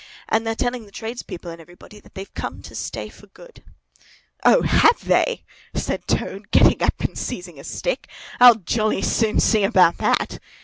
And they're telling the tradespeople and everybody that they've come to stay for good." "O, have they!" said Toad getting up and seizing a stick. "I'll jolly soon see about that!"